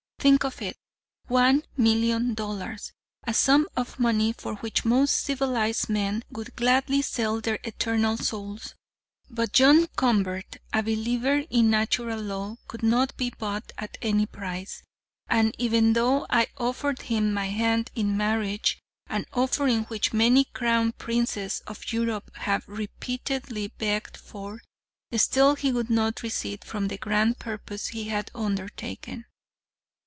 Think of it, one million dollars! A sum of money for which most civilized men would gladly sell their eternal souls. But John Convert, a believer in Natural Law, could not be bought at any price, and even though I offered him my hand in marriage, an offering which many Crown Princes of Europe have repeatedly begged for, still he would not recede from the grand purpose he had undertaken.